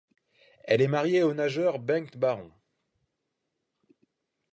Elle est mariée au nageur Bengt Baron.